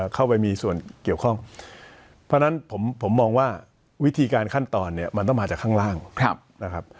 เข้าไปมีส่วนเกี่ยวข้องเพราะฉะนั้นผมมองว่าวิธีการขั้นตอนเนี่ยมันต้องมาจากข้างล่างนะครับ